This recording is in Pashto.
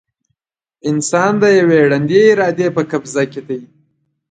انسان د یوې ړندې ارادې په قبضه کې دی.